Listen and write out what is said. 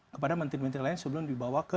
kepada menteri menteri lain sebelum dibawa ke